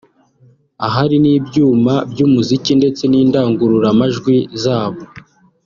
ahari n’ibyuma by’umuziki ndetse n’indangururamajwi zabo